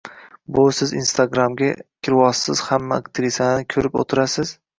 buvi siz instagramga kirvosez hamma artislani ko’rib o’tirasiz